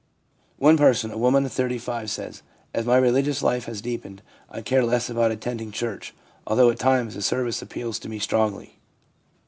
One person, a woman of 35, says, ' As my religious life has deepened, I care less about attending church, although at times the service appeals to me strongly.'